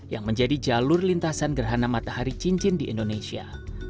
yang menjadi jalur lintasan gerhana matahari cincin di indonesia